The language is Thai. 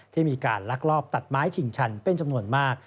ที่มีการลักลอบตัดไม้ชิงชันเป็นจำนวนมาก